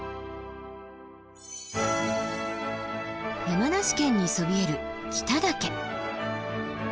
山梨県にそびえる北岳。